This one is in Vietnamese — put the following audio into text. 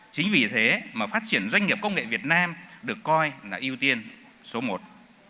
chính vì thế mà phát triển doanh nghiệp công nghệ việt nam được coi là ưu tiên số một